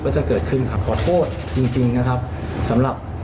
จริงนะครับสำหรับ